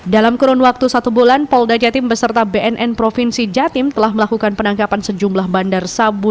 dalam kurun waktu satu bulan polda jatim beserta bnn provinsi jatim telah melakukan penangkapan sejumlah bandar sabu